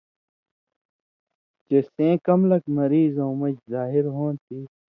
چے سَیں کم لکھ مریضؤں مژ ظاہر ہوں تھی۔